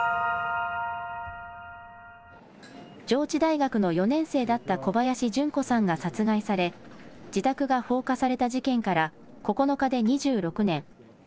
上智大学の４年生だった小林順子さんが殺害され自宅が放火された事件から９日で２６年。